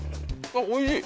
あっおいしい。